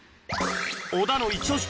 小田のイチ押し